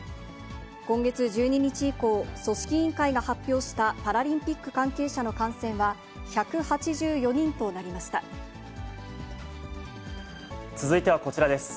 今月１２日以降、組織委員会が発表したパラリンピック関係者の感染は、１８４人と続いてはこちらです。